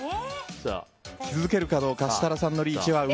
気付けるかどうか設楽さんのリーチは上。